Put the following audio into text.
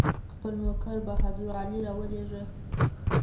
خپل نوکر بهادر علي راولېږه.